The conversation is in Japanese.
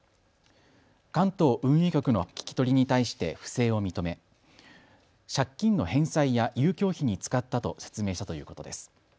関東運輸局の聞き取りに対して不正を認め借金の返済や遊興費に使ったと説明したということです。